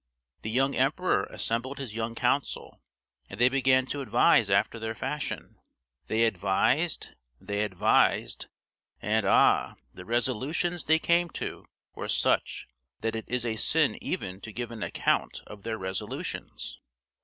The young emperor assembled his young council, and they began to advise after their fashion; they advised, they advised, and ah! the resolutions they came to were such that it is a sin even to give an account of their resolutions!